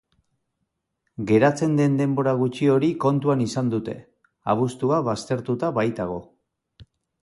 Geratzen den denbora gutxi hori kontuan izan dute, abuztua baztertuta baitago.